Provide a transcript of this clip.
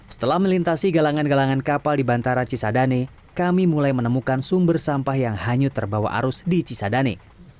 setelah melintasi galangan galangan kapal di bantara cisadane kami mulai menemukan sumber sampah yang hanyut terbawa arus di cisadane